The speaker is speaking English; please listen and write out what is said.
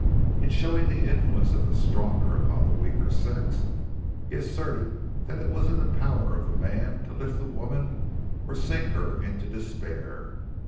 In showing the influence of the stronger upon the weaker sex, he asserted that it was in the power of the man to lift the woman or to sink her into despair.